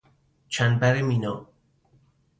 چنبر مینا